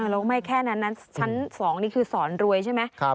แล้วก็ไม่แค่นั้นนะชั้น๒นี่คือสอนรวยใช่ไหม